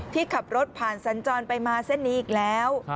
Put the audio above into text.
ที่ขับรถผ่านสัญจรไปมาเส้นนี้อีกแล้ว